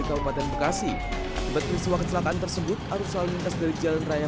kabupaten bekasi akibat peristiwa kecelakaan tersebut arus lalu lintas dari jalan raya